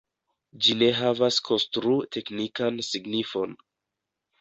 Ĝi ne havas konstru-teknikan signifon.